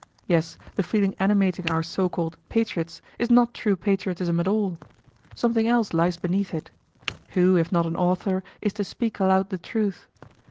Yes, the feeling animating our so called "patriots" is not true patriotism at all. Something else lies beneath it. Who, if not an author, is to speak aloud the truth?